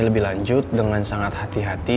lebih lanjut dengan sangat hati hati